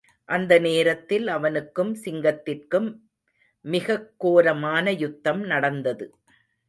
அந்த நேரத்தில் அவனுக்கும் சிங்கத்திற்கும் மிகக் கோரமான யுத்தம் நடந்தது.